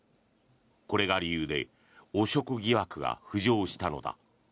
これが理由で汚職疑惑が浮上したのだ。